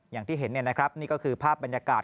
อย่างที่เห็นนี่ก็คือภาพบรรยากาศ